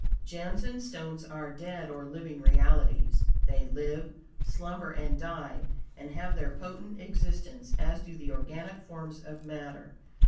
Gems and stones are dead or living realities. They live, slumber and die, and have their potent existence as do the organic forms of matter.